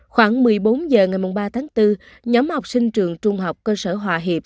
khoảng một mươi bốn h ngày ba tháng bốn nhóm học sinh trường trung học cơ sở hòa hiệp